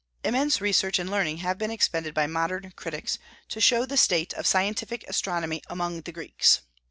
Immense research and learning have been expended by modern critics to show the state of scientific astronomy among the Greeks.